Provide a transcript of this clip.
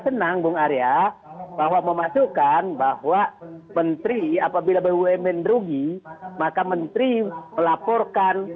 senang bung arya bahwa memasukkan bahwa menteri apabila bumn rugi maka menteri melaporkan